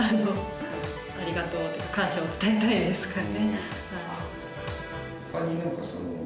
ありがとうと感謝を伝えたいですかね。